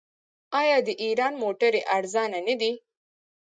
آیا د ایران موټرې ارزانه نه دي؟